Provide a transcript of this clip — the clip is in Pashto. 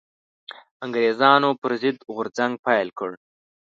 انګرېزانو پر ضد غورځنګ پيل کړ